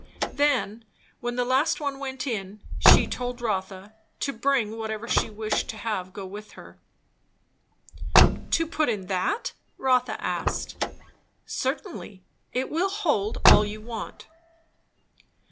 Then, when the last one went in, she told Rotha to bring whatever she wished to have go with her. "To put in that?" Rotha asked. "Certainly. It will hold all you want."